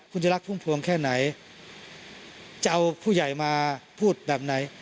คุณจะรักพุ่มพวงแค่ไหนจะเอาผู้ใหญ่มาพูดแบบไหน